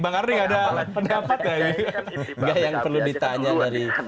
pak karning ada pendapat lagi